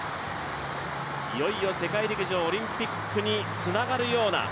いよいよ世界陸上オリンピックにつながるような